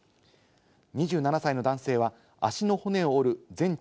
２７歳の男性は足の骨を折る全治